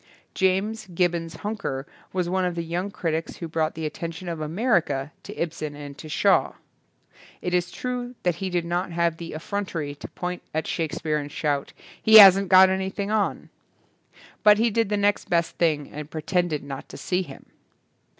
James Gibbons Huneker was one of the young critics who brought the attention of America to Ibsen and to Shaw. It is true that he did not have the affrontery to point at Shakespeare and shout, "He hasn't got anything on", but he did the next best thing and pretended not to see him.